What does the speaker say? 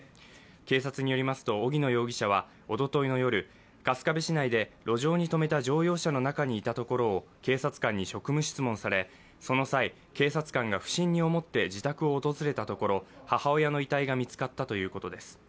警察によりますと荻野容疑者はおとといの夜、春日部市内で路上に止めた乗用車の中にいたところを警察官に職務質問され、その際、警察官が不審に思って自宅を訪れたところ、母親の遺体が見つかったということです。